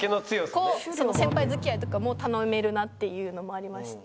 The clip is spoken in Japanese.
こうその先輩付き合いとかも頼めるなっていうのもありまして。